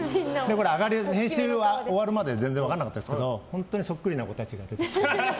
編集終わるまでは全然分からなかったんですけど本当にそっくりな子たちが出てきてた。